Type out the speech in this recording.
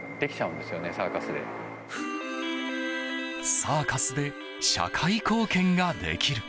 サーカスで社会貢献ができる。